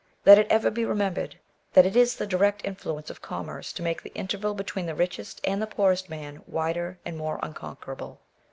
Let it ever be remembered, that it is the direct influence of commerce to make the interval between the richest and the poorest man wider and more unconquerable.